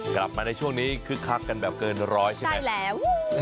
กลับมาในช่วงนี้คึกคักกันแบบเกินร้อยใช่ไหม